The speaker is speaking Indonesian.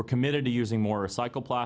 untuk memotong perusahaan anda